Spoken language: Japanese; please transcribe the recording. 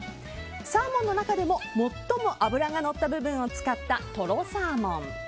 サーモンの中でも最も脂がのった部分を使ったとろサーモン。